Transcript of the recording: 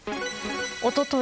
おととい